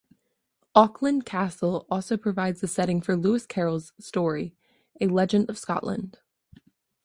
Auckland Castle also provides the setting for Lewis Carroll's story "A Legend of Scotland".